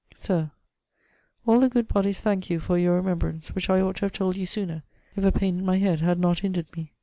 _ Sir, All the good bodies thanke you for your remembrance, which I ought to have told you sooner if a paine in my head had not hinderd me.